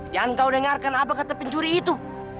jangan kau dengarkan apa kata pencuri itu